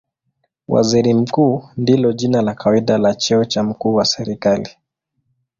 Waziri Mkuu ndilo jina la kawaida la cheo cha mkuu wa serikali.